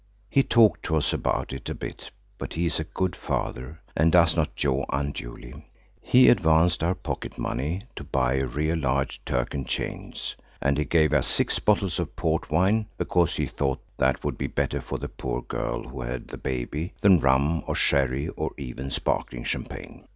He talked to us about it a bit, but he is a good Father and does not jaw unduly. He advanced our pocket money to buy a real large Turk and chains. And he gave us six bottles of port wine, because he thought that would be better for the poor girl who had the baby than rum or sherry or even sparkling champagne.